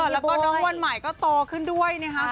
แล้วก็น้องวันใหม่ก็โตขึ้นด้วยนะคะ